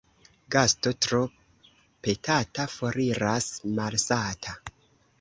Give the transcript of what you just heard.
Gasto tro petata foriras malsata.